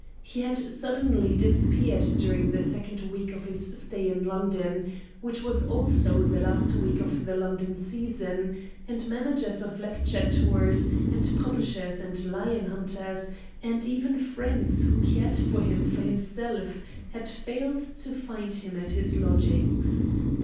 He had suddenly disappeared during the second week of his stay in London, which was also the last week of the London season, and managers of lecture tours and publishers and lion hunters, and even friends who cared for him for himself, had failed to find him at his lodgings.